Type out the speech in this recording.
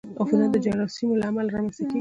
عفونت د جراثیمو له امله رامنځته کېږي.